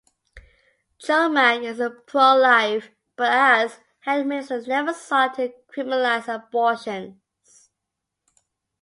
Chomiak is pro-life, but as health minister never sought to criminalize abortions.